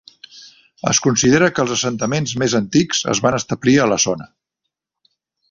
Es considera que els assentaments més antics es van establir a la zona.